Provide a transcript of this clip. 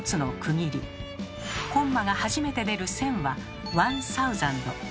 コンマが初めて出る「千」は「ワンサウザンド」。